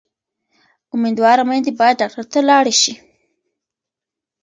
امیندواره میندې باید ډاکټر ته لاړې شي.